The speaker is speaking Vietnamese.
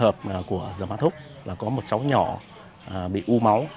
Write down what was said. trường hợp của giảm áp thuốc là có một cháu nhỏ bị u máu